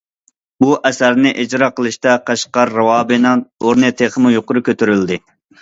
بۇ ئەسەرنى ئىجرا قىلىشتا قەشقەر راۋابىنىڭ ئورنى تېخىمۇ يۇقىرى كۆتۈرۈلدى.